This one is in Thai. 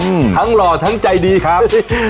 อืมทั้งหล่อทั้งใจดีครับ